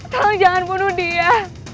tangan bunuh dia